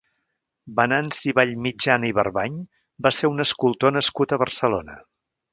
Venanci Vallmitjana i Barbany va ser un escultor nascut a Barcelona.